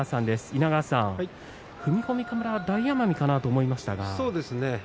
稲川さん、踏み込みから大奄美かなと思いましたが。